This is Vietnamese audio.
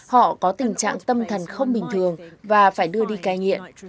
họ có tình trạng tâm thần không bình thường và phải đưa đi cai nghiện